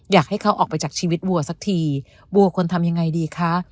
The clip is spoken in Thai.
อยากให้เขาออกไปจากชีวิตวัวสักทีวัวควรทำยังไงดีคะ